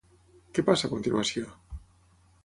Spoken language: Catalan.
Què passa a continuació?